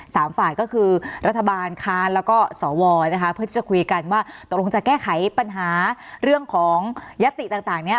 สามฝ่ายก็คือรัฐบาลค้านแล้วก็สวนะคะเพื่อจะคุยกันว่าตกลงจะแก้ไขปัญหาเรื่องของยัตติต่างต่างเนี้ย